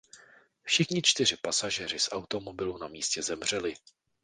Všichni čtyři pasažéři z automobilu na místě zemřeli.